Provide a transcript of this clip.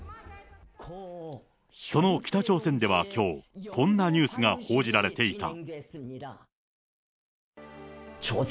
その北朝鮮ではきょう、こんなニュースが報じられていた。